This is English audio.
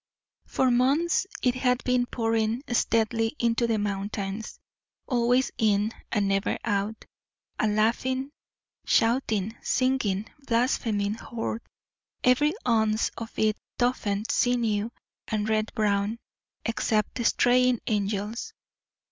For months it had been pouring steadily into the mountains always in and never out, a laughing, shouting, singing, blaspheming Horde, every ounce of it toughened sinew and red brawn, except the Straying Angels.